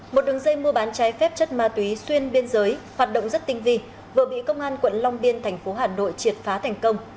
một đường dây mua bán trái phép chất ma túy xuyên biên giới hoạt động rất tinh vi vừa bị công an quận long biên thành phố hà nội triệt phá thành công